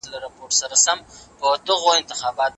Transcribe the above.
موږ خپل ماشومان ښوونځي ته لیږو.